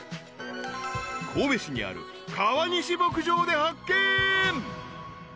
［神戸市にある川西牧場で発見］